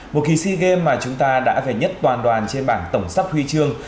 một kỳ sigen mà chúng ta đã về nhất toàn đoàn trên bảng tổng sắp huy chương